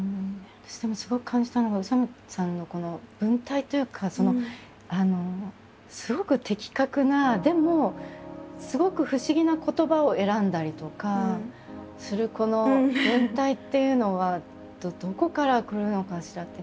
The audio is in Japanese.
私でもすごく感じたのは宇佐見さんのこの文体というかすごく的確なでもすごく不思議な言葉を選んだりとかするこの文体っていうのはどこからくるのかしら？